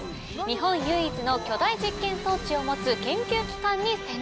日本唯一の巨大実験装置を持つ研究機関に潜入。